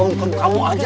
mau ke rumah kamu aja